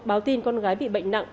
báo tin con gái bị bệnh nặng